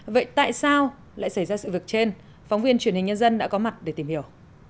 vậy tại sao lại xảy ra sự việc trên phóng viên truyền hình nhân dân đã có mặt để tìm hiểu